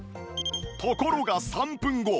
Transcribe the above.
ところが３分後